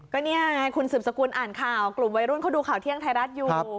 ก็นี่ไงคุณสืบสกุลอ่านข่าวกลุ่มวัยรุ่นเขาดูข่าวเที่ยงไทยรัฐอยู่